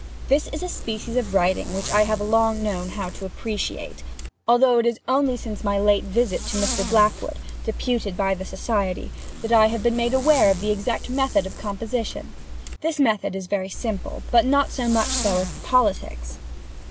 This is a species of writing which I have long known how to appreciate, although it is only since my late visit to Mr. Blackwood (deputed by the society) that I have been made aware of the exact method of composition. This method is very simple, but not so much so as the politics.